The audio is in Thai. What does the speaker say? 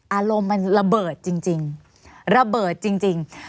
อารมณ์มันระเบิดจริง